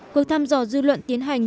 cuộc thăm dò dư luận tiến hành